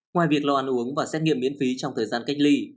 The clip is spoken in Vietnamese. ngoài việc lo ăn uống và xét nghiệm miễn phí trong thời gian cách ly